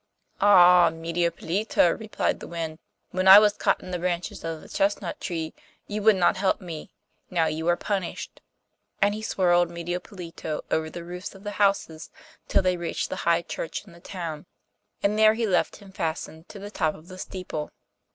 'Ah! Medio Pollito,' replied the wind, 'when I was caught in the branches of the chestnut tree you would not help me; now you are punished.' And he swirled Medio Pollito over the roofs of the houses till they reached the highest church in the town, and there he left him fastened to the top of the steeple.